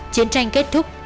chiến tranh kết thúc